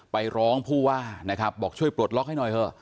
ไปร้องผู้ว่านะครับบอกช่วยปลดล็อกให้หน่อยเถอะ